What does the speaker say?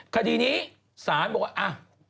คดีนี้ศาลบอกว่า